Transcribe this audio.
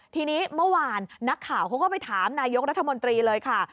ทีนี้เมื่อวานนักข่าวเขาก็ไปถามนายกรัฐมนตรีเลยค่ะ